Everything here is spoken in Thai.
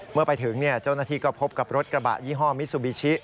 เมื่อไปถึงเจ้าหน้าที่ก็พบกับรถกระบะยี่ห้อมิซูบิชิ